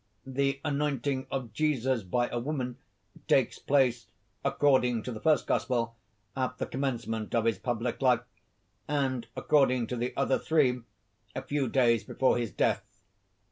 The anointing of Jesus by a woman takes place, according to the first Gospel, at the commencement of his public life; and, according to the other three, a few days before his death.